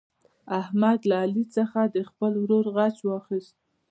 احمد له علي څخه د خپل ورور غچ واخیست.